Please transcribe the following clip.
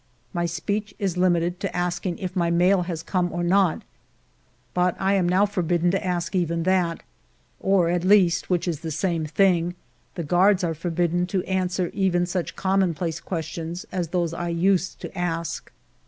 My speech is limited to ask ing if my mail has come or not. But I am now forbidden to ask even that, or at least, which is the same thing, the guards are forbidden to answer even such commonplace questions as those I used to ask.